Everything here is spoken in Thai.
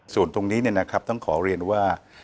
ส่วนตรงนี้ต้องขอเรียนว่า